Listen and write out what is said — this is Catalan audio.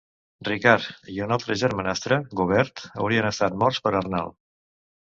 Ricard i un altre germanastre, Gaubert, haurien estat morts per Arnald.